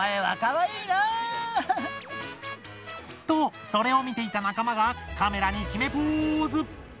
とそれを見ていた仲間がカメラに決めポーズ。